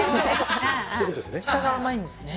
下が甘いんですね。